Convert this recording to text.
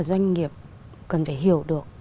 doanh nghiệp cần phải hiểu được